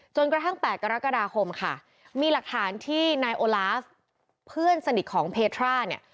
กระทั่ง๘กรกฎาคมค่ะมีหลักฐานที่นายโอลาฟเพื่อนสนิทของเพทราเนี่ย